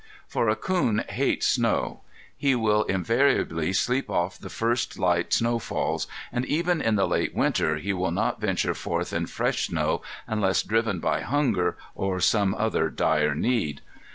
For a coon hates snow. He will invariably sleep off the first light snowfalls, and even in the late winter he will not venture forth in fresh snow unless driven by hunger or some other dire need.